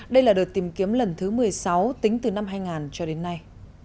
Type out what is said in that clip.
đây là đợt tìm kiếm lần thứ một mươi sáu tính từ năm hai nghìn cho đến nay